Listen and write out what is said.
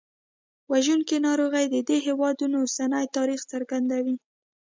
وژونکي ناروغۍ د دې هېوادونو اوسني تاریخ څرګندوي.